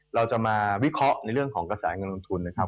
เราจะมาวิเคราะห์ในเรื่องของกระแสเงินลงทุนนะครับ